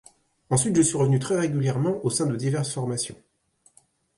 Ensuite je suis revenu très régulièrement au sein de diverses formations.